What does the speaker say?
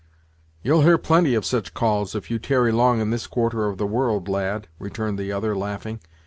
"You'll hear plenty of such calls, if you tarry long in this quarter of the world, lad," returned the other laughing.